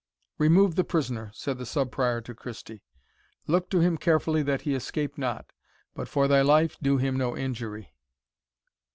"Remove the prisoner," said the Sub Prior to Christie; "look to him carefully that he escape not; but for thy life do him no injury."